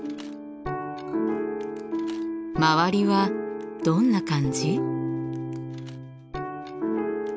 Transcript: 周りはどんな感じ？